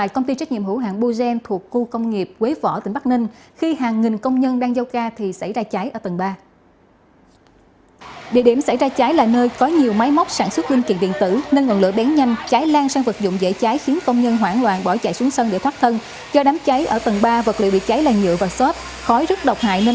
các bạn hãy đăng ký kênh để ủng hộ kênh của chúng mình nhé